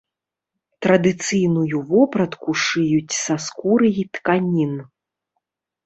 Традыцыйную вопратку шыюць са скуры і тканін.